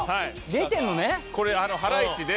出てるのね！